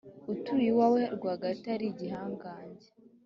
utuye iwawe rwagati, ari Igihangange.»